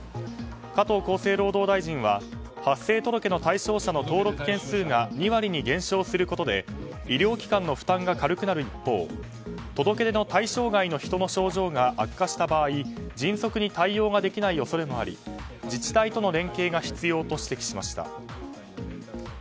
加藤厚生労働大臣は発生届の対象者の登録件数が２割に減少することで医療機関の負担が軽くなる一方届け出の対象外の人の症状が悪化した場合迅速に対応ができない恐れもあり自治体との連携が必要と指摘しました。